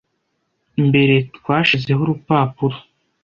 mbere twashizeho urupapuro